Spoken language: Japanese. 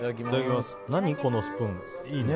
何このスプーン。